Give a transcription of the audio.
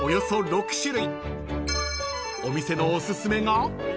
［お店のおすすめが］